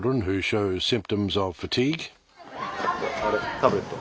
タブレット。